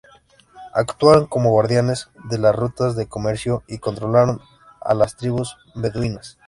Actuaron como guardianes de las rutas de comercio y controlaron a las tribus beduinas.